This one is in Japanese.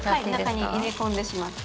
中に入れ込んでしまって。